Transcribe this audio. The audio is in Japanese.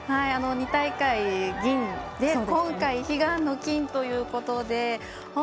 ２大会、銀で今回、悲願の金ということで。